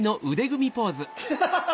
ハハハハ！